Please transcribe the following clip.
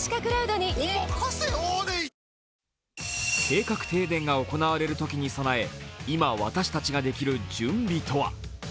計画停電で行われるときに備え今、私たちができる準備とは。